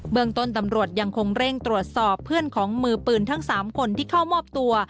เมืองต้นตำรวจยังคงเร่งตรวจสอบเพื่อนของมือปืนทั้ง๓คนที่เข้ามอบตัว